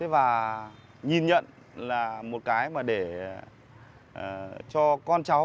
và nhìn nhận là một cái mà để cho con cháu học tập và uống nước nhớ nguồn về khu di tích này